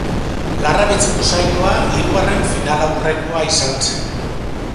Larrabetzuko saioa hirugarren finalaurrekoa izan zen.